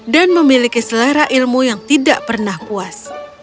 dan memiliki selera ilmu yang tidak pernah puas